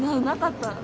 なかった。